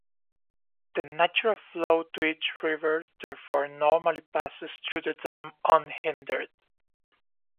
The natural flow to each river therefore normally passes through the dam unhindered.